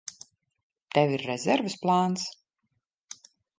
Tev ir rezerves plāns?